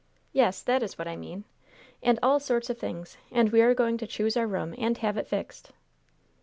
"Yes, that is what I mean! And all sorts of things! And we are going to choose our room and have it fixed!"